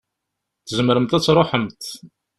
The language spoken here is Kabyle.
Tzemremt ad tṛuḥemt.